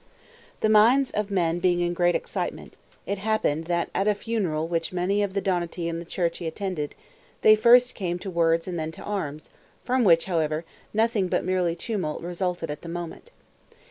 The minds of men being in great excitement, it happened that at a funeral which many of the Donati and the Cerchi attended, they first came to words and then to arms, from which, however, nothing but merely tumult resulted at the moment.